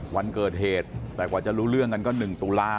วันเกิดเหตุแต่กว่าจะรู้เรื่องกันก็๑ตุลา